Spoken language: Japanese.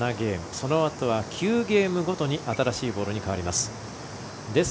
そのあとは９ゲームごとに新しいボールに変わります。